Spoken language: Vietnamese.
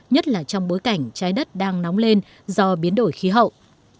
nhất là trong bối cảnh trái đất đang nóng lên do biến đổi khí hậu